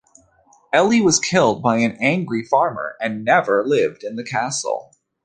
Ely was killed by an angry farmer and never lived in the castle.